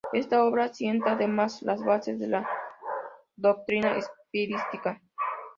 Esta obra sienta, además, las bases de la doctrina espiritista.